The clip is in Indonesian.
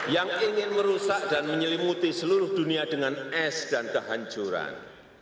yang ingin merusak dan menyelimuti seluruh dunia dengan es dan kehancuran